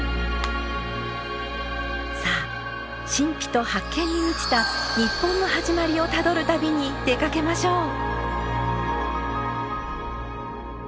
さあ神秘と発見に満ちた日本の始まりをたどる旅に出かけましょう！